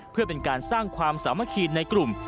เพื่อเป็นการสร้างความสามัคคีในกลุ่ม